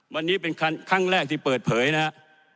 วันนี้เป็นครั้งแรกที่เปิดเผยนะครับ